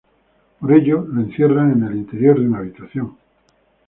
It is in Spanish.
Por ello lo encierran en el interior de una habitación.